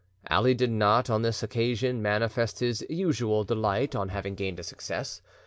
Ali did not on this occasion manifest his usual delight on having gained a success.